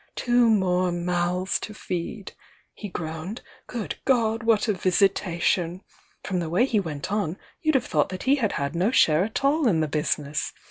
'Two more mouths to feed !' he groaned. 'Good God, what a visitation !' From the way he went on, you'd have thought that he had had no share at all in the business!